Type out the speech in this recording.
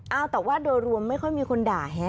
เอาแต่ว่าโดยรวมไม่ค่อยมีคนด่าฮะ